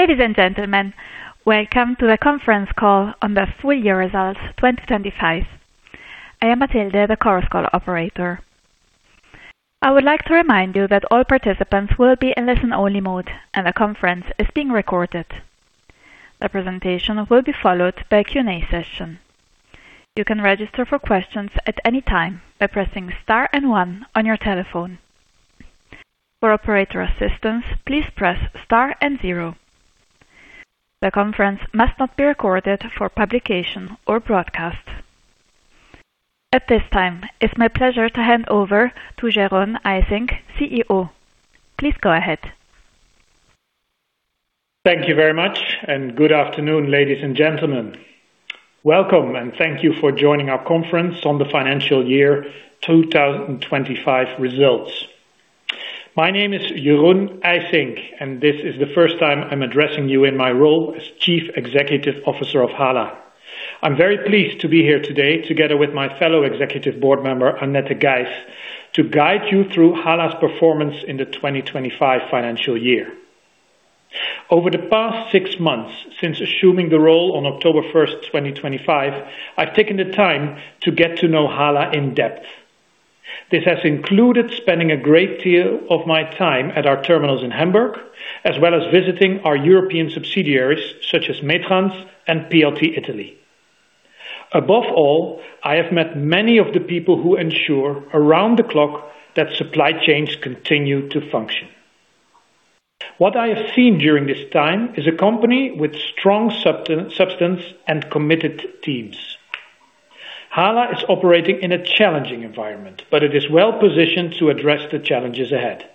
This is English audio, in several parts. Ladies and gentlemen, welcome to the conference call on the full-year results 2025. I am Matilde, the conference call operator. I would like to remind you that all participants will be in listen-only mode and the conference is being recorded. The presentation will be followed by a Q&A session. You can register for questions at any time by pressing star and one on your telephone. For operator assistance, please press star and zero. The conference must not be recorded for publication or broadcast. At this time, it's my pleasure to hand over to Jeroen Eijsink, CEO. Please go ahead. Thank you very much and good afternoon, ladies and gentlemen. Welcome and thank you for joining our conference on the financial year 2025 results. My name is Jeroen Eijsink, and this is the first time I'm addressing you in my role as Chief Executive Officer of HHLA. I'm very pleased to be here today together with my fellow executive board member, Annette Geiß, to guide you through HHLA's performance in the 2025 financial year. Over the past six months, since assuming the role on October 1, 2025, I've taken the time to get to know HHLA in depth. This has included spending a great deal of my time at our terminals in Hamburg, as well as visiting our European subsidiaries such as Metrans and PLT Italy. Above all, I have met many of the people who ensure around the clock that supply chains continue to function. What I have seen during this time is a company with strong substance and committed teams. HHLA is operating in a challenging environment, but it is well-positioned to address the challenges ahead.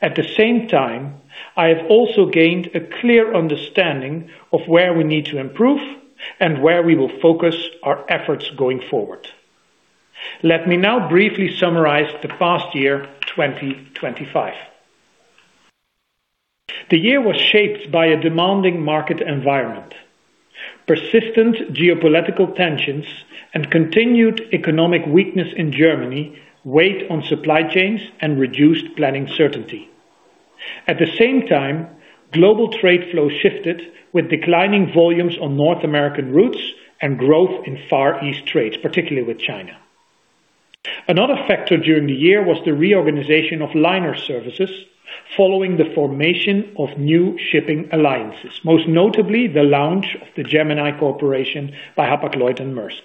At the same time, I have also gained a clear understanding of where we need to improve and where we will focus our efforts going forward. Let me now briefly summarize the past year, 2025. The year was shaped by a demanding market environment. Persistent geopolitical tensions and continued economic weakness in Germany weighed on supply chains and reduced planning certainty. At the same time, global trade flow shifted with declining volumes on North American routes and growth in Far East trades, particularly with China. Another factor during the year was the reorganization of liner services following the formation of new shipping alliances, most notably the launch of the Gemini Cooperation by Hapag-Lloyd and Maersk.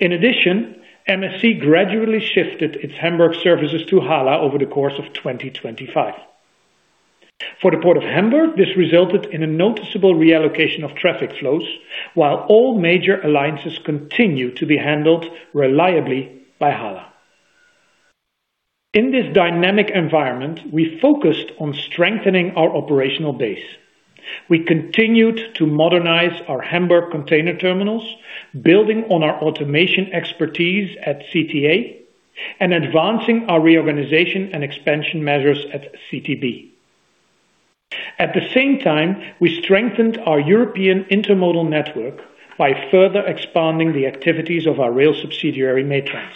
In addition, MSC gradually shifted its Hamburg services to HHLA over the course of 2025. For the Port of Hamburg, this resulted in a noticeable reallocation of traffic flows, while all major alliances continue to be handled reliably by HHLA. In this dynamic environment, we focused on strengthening our operational base. We continued to modernize our Hamburg container terminals, building on our automation expertise at CTA and advancing our reorganization and expansion measures at CTB. At the same time, we strengthened our European intermodal network by further expanding the activities of our rail subsidiary, Metrans.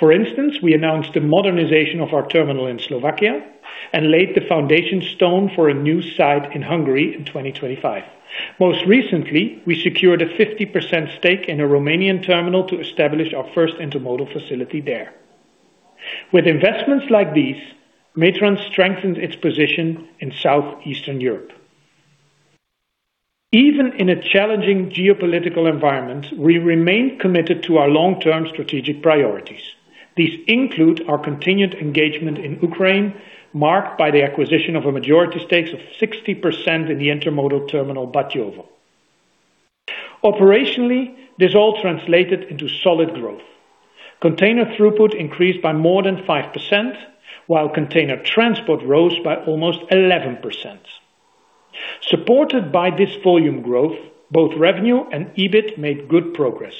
For instance, we announced the modernization of our terminal in Slovakia and laid the foundation stone for a new site in Hungary in 2025. Most recently, we secured a 50% stake in a Romanian terminal to establish our first intermodal facility there. With investments like these, Metrans strengthened its position in Southeastern Europe. Even in a challenging geopolitical environment, we remain committed to our long-term strategic priorities. These include our continued engagement in Ukraine, marked by the acquisition of a majority stakes of 60% in the intermodal terminal Batiovo. Operationally, this all translated into solid growth. Container throughput increased by more than 5%, while container transport rose by almost 11%. Supported by this volume growth, both revenue and EBIT made good progress.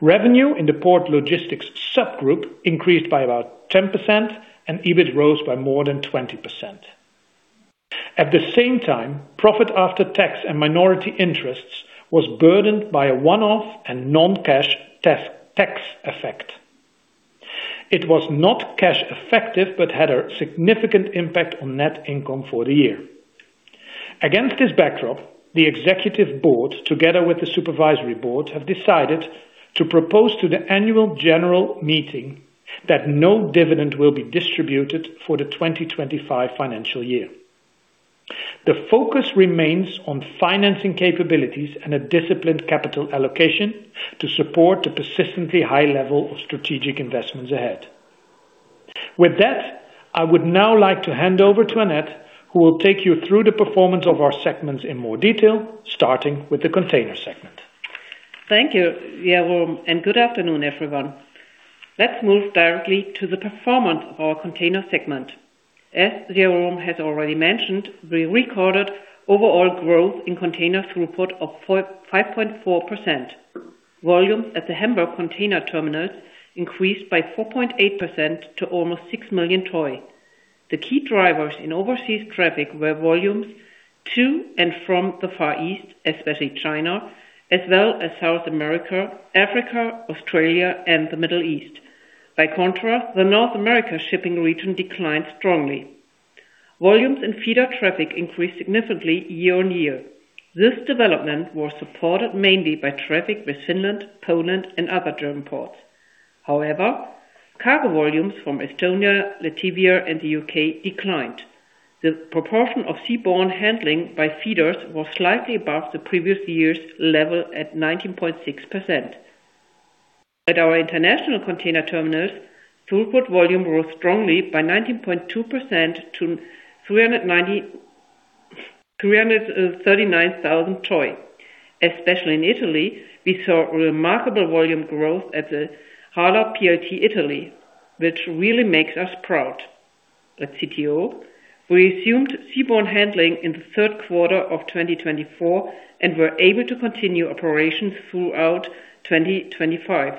Revenue in the Port Logistics subgroup increased by about 10%, and EBIT rose by more than 20%. At the same time, profit after tax and minority interests was burdened by a one-off and non-cash tax effect. It was not cash effective, but had a significant impact on net income for the year. Against this backdrop, the Executive Board, together with the Supervisory Board, have decided to propose to the Annual General Meeting that no dividend will be distributed for the 2025 financial year. The focus remains on financing capabilities and a disciplined capital allocation to support the persistently high level of strategic investments ahead. With that, I would now like to hand over to Annette, who will take you through the performance of our segments in more detail, starting with the container segment. Thank you, Jeroen, and good afternoon, everyone. Let's move directly to the performance of our container segment. As Jeroen has already mentioned, we recorded overall growth in container throughput of 5.4%. Volumes at the Hamburg container terminals increased by 4.8% to almost 6 million TEU. The key drivers in overseas traffic were volumes to and from the Far East, especially China, as well as South America, Africa, Australia, and the Middle East. By contrast, the North America shipping region declined strongly. Volumes in feeder traffic increased significantly year-on-year. This development was supported mainly by traffic with Finland, Poland, and other German ports. However, cargo volumes from Estonia, Latvia, and the U.K. declined. The proportion of seaborne handling by feeders was slightly above the previous year's level at 19.6%. At our international container terminals, throughput volume rose strongly by 19.2% to 339,000 TEU. Especially in Italy, we saw remarkable volume growth at the HHLA PLT Italy, which really makes us proud. At CTT, we assumed seaborne handling in the third quarter of 2024 and were able to continue operations throughout 2025,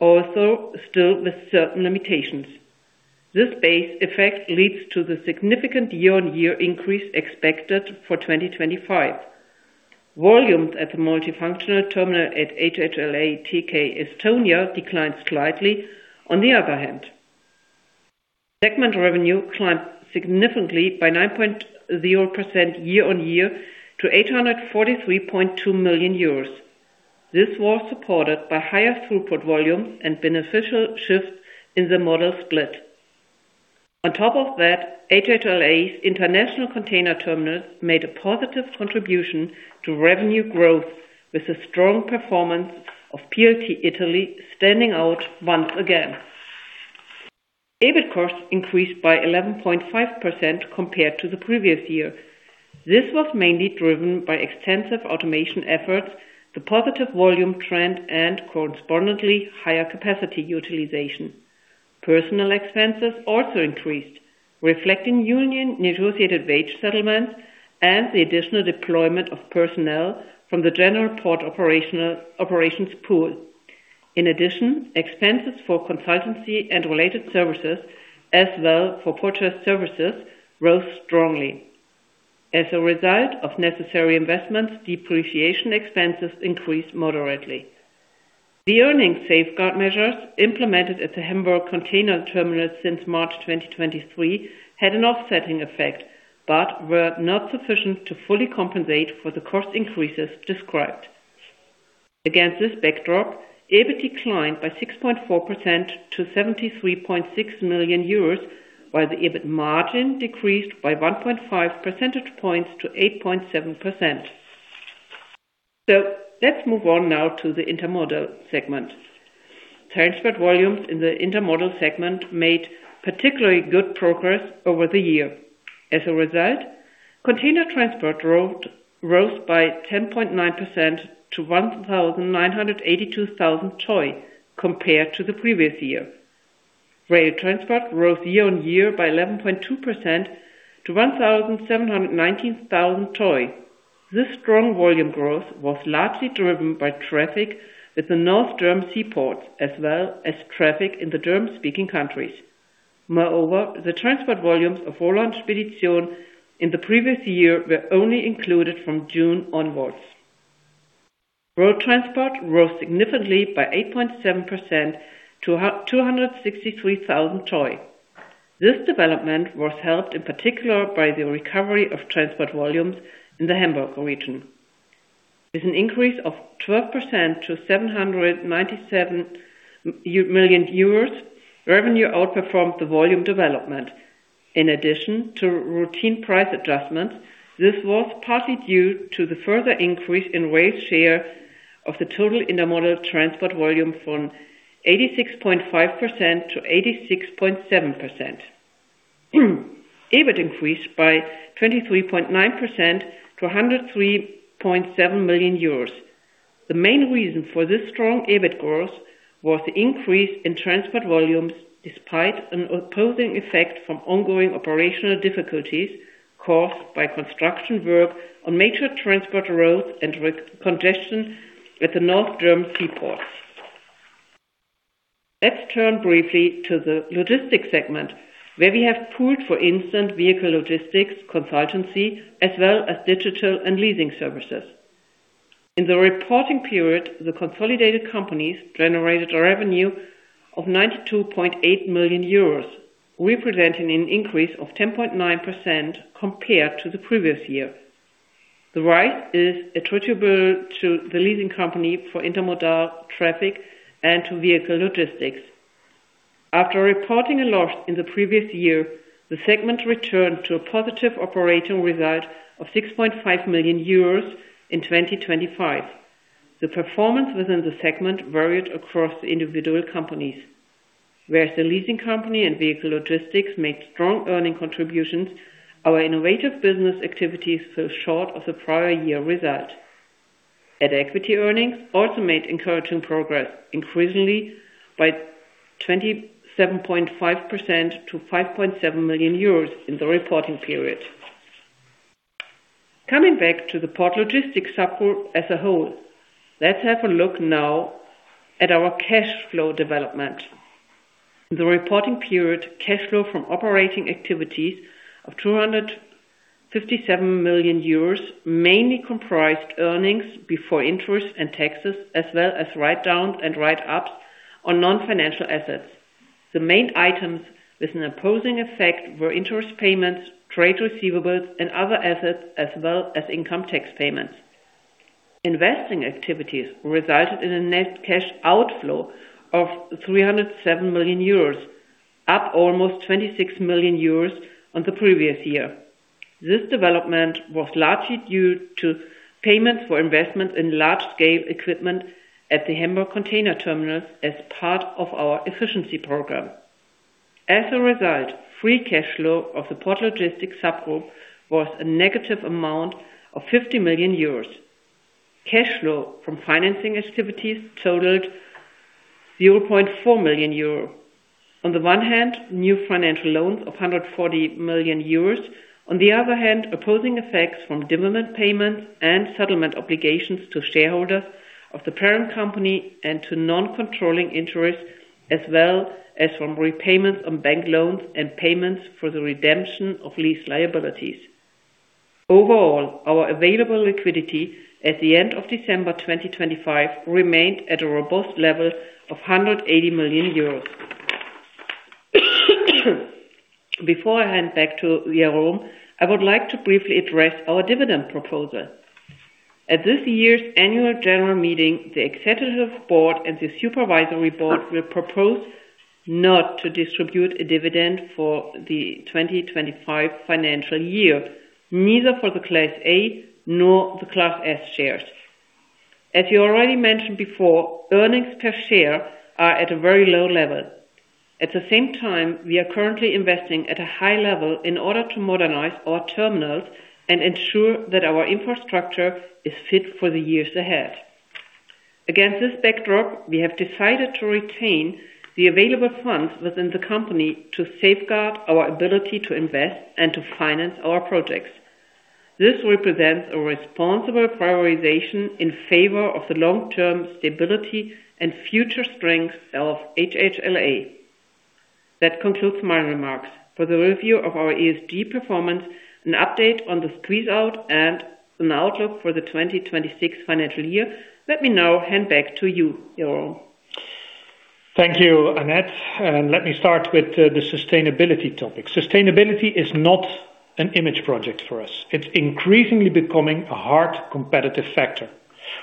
also still with certain limitations. This base effect leads to the significant year-on-year increase expected for 2025. Volumes at the multifunctional terminal at HHLA TK Estonia declined slightly on the other hand. Segment revenue climbed significantly by 9.0% year-on-year to 843.2 million euros. This was supported by higher throughput volumes and beneficial shifts in the model split. On top of that, HHLA's international container terminals made a positive contribution to revenue growth, with the strong performance of PLT Italy standing out once again. EBIT costs increased by 11.5% compared to the previous year. This was mainly driven by extensive automation efforts, the positive volume trend, and correspondingly higher capacity utilization. Personnel expenses also increased, reflecting union negotiated wage settlements and the additional deployment of personnel from the general port operations pool. In addition, expenses for consultancy and related services, as well as for purchased services, rose strongly. As a result of necessary investments, depreciation expenses increased moderately. The earnings safeguard measures implemented at the Hamburg container terminal since March 2023 had an offsetting effect, but were not sufficient to fully compensate for the cost increases described. Against this backdrop, EBIT declined by 6.4% to 73.6 million euros, while the EBIT margin decreased by 1.5 percentage points to 8.7%. Let's move on now to the Intermodal segment. Transport volumes in the Intermodal segment made particularly good progress over the year. As a result, container transport road rose by 10.9% to 1,982,000 TEU compared to the previous year. Rail transport rose year-on-year by 11.2% to 1,719,000 TEU. This strong volume growth was largely driven by traffic with the North German seaports, as well as traffic in the German-speaking countries. Moreover, the transport volumes of Roland Spedition in the previous year were only included from June onwards. Road transport rose significantly by 8.7% to 263,000 TEU. This development was helped in particular by the recovery of transport volumes in the Hamburg region. With an increase of 12% to 797 million euros, revenue outperformed the volume development. In addition to routine price adjustments, this was partly due to the further increase in rail share of the total intermodal transport volume from 86.5% to 86.7%. EBIT increased by 23.9% to 103.7 million euros. The main reason for this strong EBIT growth was the increase in transport volumes, despite an opposing effect from ongoing operational difficulties caused by construction work on major transport roads and with congestion at the North German seaports. Let's turn briefly to the Logistics segment, where we have pooled, for instance, vehicle logistics, consultancy, as well as digital and leasing services. In the reporting period, the consolidated companies generated a revenue of 92.8 million euros, representing an increase of 10.9% compared to the previous year. The rise is attributable to the leasing company for intermodal traffic and to vehicle logistics. After reporting a loss in the previous year, the segment returned to a positive operating result of 6.5 million euros in 2025. The performance within the segment varied across the individual companies. Whereas the leasing company and vehicle logistics made strong earning contributions, our innovative business activities fell short of the prior year results. At-equity earnings also made encouraging progress, increasing by 27.5% to 5.7 million euros in the reporting period. Coming back to the Port Logistics subgroup as a whole, let's have a look now at our cash flow development. In the reporting period, cash flow from operating activities of 257 million euros mainly comprised earnings before interest and taxes, as well as write-downs and write-ups on non-financial assets. The main items with an opposing effect were interest payments, trade receivables and other assets, as well as income tax payments. Investing activities resulted in a net cash outflow of 307 million euros, up almost 26 million euros on the previous year. This development was largely due to payments for investments in large-scale equipment at the Hamburg container terminals as part of our efficiency program. As a result, free cash flow of the Port Logistics subgroup was a negative amount of 50 million euros. Cash flow from financing activities totaled 0.4 million euros. On the one hand, new financial loans of 140 million euros. On the other hand, opposing effects from dividend payments and settlement obligations to shareholders of the parent company and to non-controlling interests, as well as from repayments on bank loans and payments for the redemption of lease liabilities. Overall, our available liquidity at the end of December 2025 remained at a robust level of 180 million euros. Before I hand back to Jeroen, I would like to briefly address our dividend proposal. At this year's annual general meeting, the executive board and the supervisory board will propose not to distribute a dividend for the 2025 financial year, neither for the Class A nor the Class S shares. As you already mentioned before, earnings per share are at a very low level. At the same time, we are currently investing at a high level in order to modernize our terminals and ensure that our infrastructure is fit for the years ahead. Against this backdrop, we have decided to retain the available funds within the company to safeguard our ability to invest and to finance our projects. This represents a responsible prioritization in favor of the long-term stability and future strength of HHLA. That concludes my remarks. For the review of our ESG performance, an update on the squeeze out and an outlook for the 2026 financial year, let me now hand back to you, Jeroen. Thank you, Annette, and let me start with the sustainability topic. Sustainability is not an image project for us. It's increasingly becoming a hard competitive factor.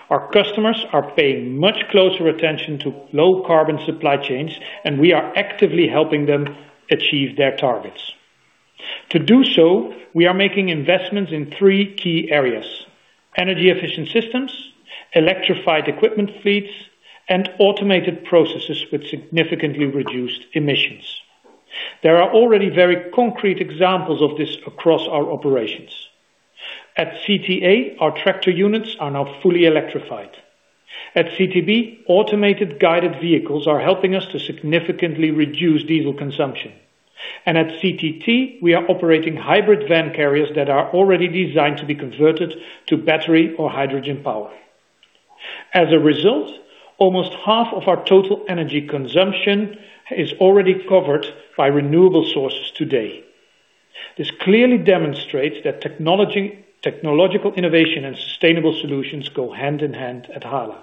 Our customers are paying much closer attention to low carbon supply chains, and we are actively helping them achieve their targets. To do so, we are making investments in three key areas, energy efficient systems, electrified equipment fleets, and automated processes with significantly reduced emissions. There are already very concrete examples of this across our operations. At CTA, our tractor units are now fully electrified. At CTB, automated guided vehicles are helping us to significantly reduce diesel consumption. At CTT, we are operating hybrid van carriers that are already designed to be converted to battery or hydrogen power. As a result, almost half of our total energy consumption is already covered by renewable sources today. This clearly demonstrates that technology, technological innovation, and sustainable solutions go hand in hand at HHLA.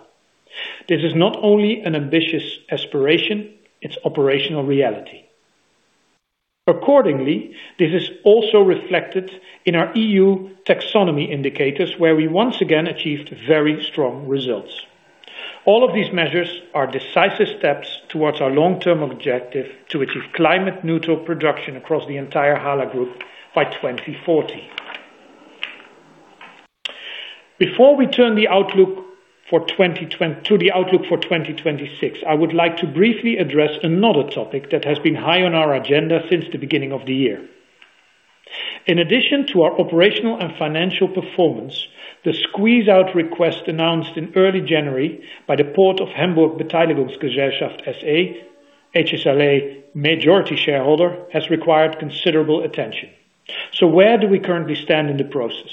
This is not only an ambitious aspiration, it's operational reality. Accordingly, this is also reflected in our EU taxonomy indicators, where we once again achieved very strong results. All of these measures are decisive steps towards our long-term objective to achieve climate neutral production across the entire HHLA Group by 2040. Before we turn to the outlook for 2026, I would like to briefly address another topic that has been high on our agenda since the beginning of the year. In addition to our operational and financial performance, the squeeze out request announced in early January by the Port of Hamburg Beteiligungsgesellschaft SE, HHLA majority shareholder, has required considerable attention. Where do we currently stand in the process?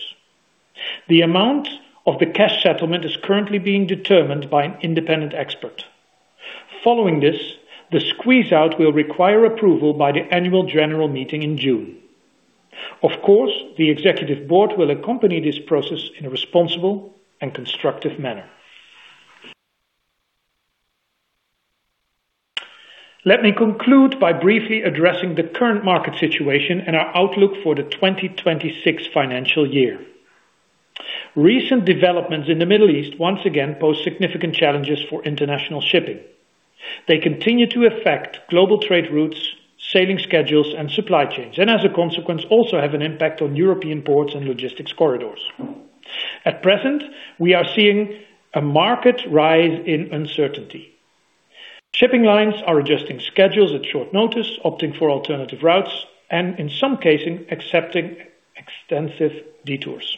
The amount of the cash settlement is currently being determined by an independent expert. Following this, the squeeze out will require approval by the annual general meeting in June. Of course, the executive board will accompany this process in a responsible and constructive manner. Let me conclude by briefly addressing the current market situation and our outlook for the 2026 financial year. Recent developments in the Middle East once again pose significant challenges for international shipping. They continue to affect global trade routes, sailing schedules, and supply chains, and as a consequence, also have an impact on European ports and logistics corridors. At present, we are seeing a market rise in uncertainty. Shipping lines are adjusting schedules at short notice, opting for alternative routes, and in some cases, accepting extensive detours.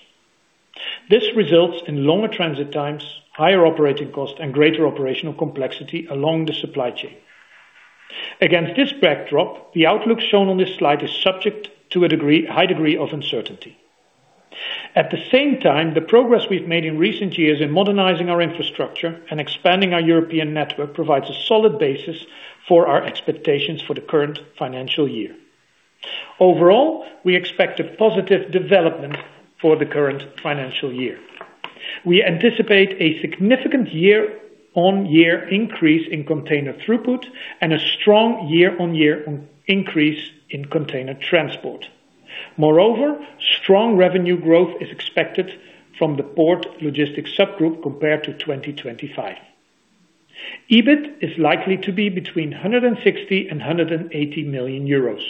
This results in longer transit times, higher operating costs, and greater operational complexity along the supply chain. Against this backdrop, the outlook shown on this slide is subject to a degree, high degree of uncertainty. At the same time, the progress we've made in recent years in modernizing our infrastructure and expanding our European network provides a solid basis for our expectations for the current financial year. Overall, we expect a positive development for the current financial year. We anticipate a significant year-on-year increase in container throughput and a strong year-on-year increase in container transport. Moreover, strong revenue growth is expected from the Port Logistics subgroup compared to 2025. EBIT is likely to be between 160 million euros and 180 million euros.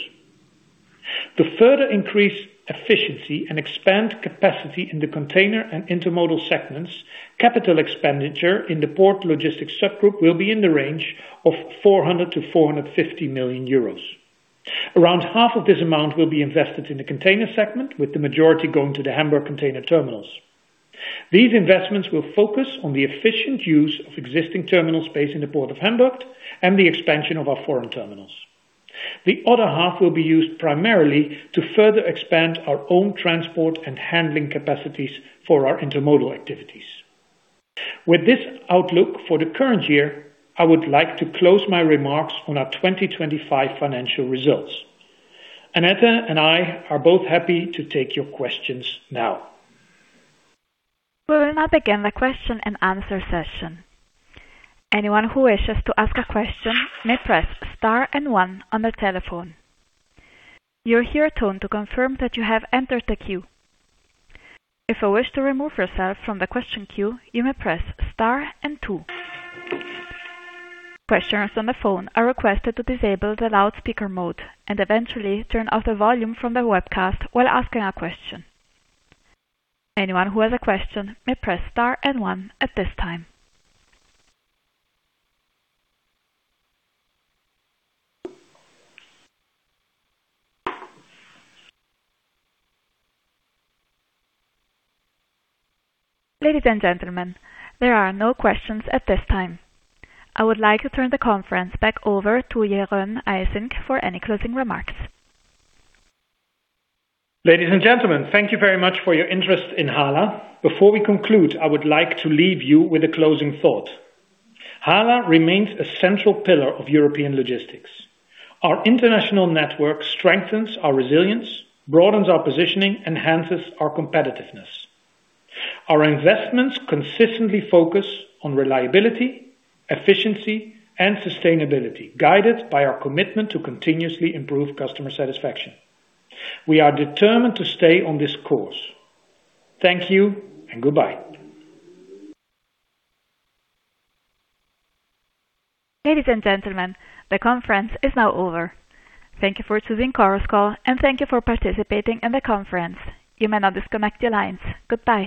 To further increase efficiency and expand capacity in the container and intermodal segments, capital expenditure in the Port Logistics subgroup will be in the range of 400 million-450 million euros. Around half of this amount will be invested in the container segment, with the majority going to the Hamburg container terminals. These investments will focus on the efficient use of existing terminal space in the Port of Hamburg and the expansion of our foreign terminals. The other half will be used primarily to further expand our own transport and handling capacities for our intermodal activities. With this outlook for the current year, I would like to close my remarks on our 2025 financial results. Annette and I are both happy to take your questions now. We will now begin the question and answer session. Anyone who wishes to ask a question may press star and one on the telephone. You will hear a tone to confirm that you have entered the queue. If you wish to remove yourself from the question queue, you may press star and two. Questioners on the phone are requested to disable the loudspeaker mode and eventually turn off the volume from the webcast while asking a question. Anyone who has a question may press star and one at this time. Ladies and gentlemen, there are no questions at this time. I would like to turn the conference back over to Jeroen Eijsink for any closing remarks. Ladies and gentlemen, thank you very much for your interest in HHLA. Before we conclude, I would like to leave you with a closing thought. HHLA remains a central pillar of European logistics. Our international network strengthens our resilience, broadens our positioning, enhances our competitiveness. Our investments consistently focus on reliability, efficiency and sustainability, guided by our commitment to continuously improve customer satisfaction. We are determined to stay on this course. Thank you and goodbye. Ladies and gentlemen, the conference is now over. Thank you for choosing Chorus Call and thank you for participating in the conference. You may now disconnect your lines. Goodbye.